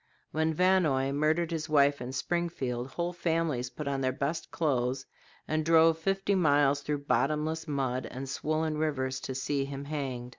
When Vannoy murdered his wife in Springfield, whole families put on their best clothes and drove fifty miles through bottomless mud and swollen rivers to see him hanged.